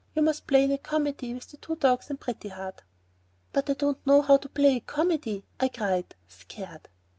You must play in a comedy with the two dogs and Pretty Heart." "But I don't know how to play a comedy," I cried, scared.